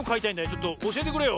ちょっとおしえてくれよ。